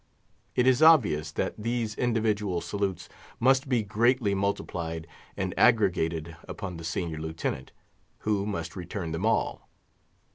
It is obvious that these individual salutes must be greatly multiplied and aggregated upon the senior Lieutenant, who must return them all.